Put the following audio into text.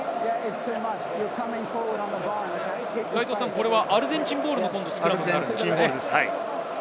これはアルゼンチンボールのスクラムですか？